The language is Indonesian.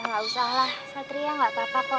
udah gak usahlah satria gak apa apa kok